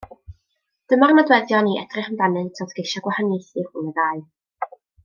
Dyma'r nodweddion i edrych amdanynt wrth geisio gwahaniaethu rhwng y ddau.